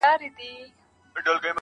ته چي راغلې سپين چي سوله تور باڼه.